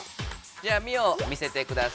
じゃあミオ見せてください。